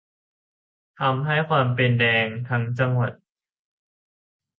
ทำให้ความเป็น "แดงทั้งจังหวัด"